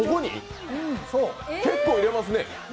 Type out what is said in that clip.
結構入れますね！